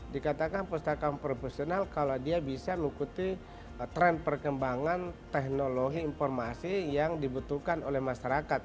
dikatakan pustakaan profesional kalau dia bisa mengikuti tren perkembangan teknologi informasi yang dibutuhkan oleh masyarakat